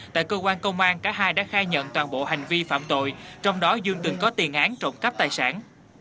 tại cơ quan công an cả hai đã khai nhận toàn bộ hành vi phạm tội trong đó dương từng có tiền án trộm cắp tài sản